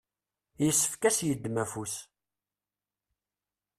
yessefk ad s-yeddem afus.